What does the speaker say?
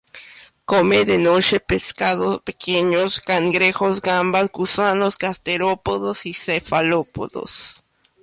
Come, de noche, pescado pequeños, cangrejos, gambas, gusanos, gasterópodos y cefalópodos.